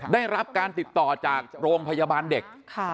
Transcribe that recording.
ได้รับการติดต่อจากโรงพยาบาลเด็ก